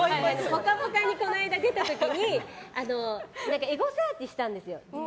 「ぽかぽか」にこの間出た時にエゴサーチしたんですよ。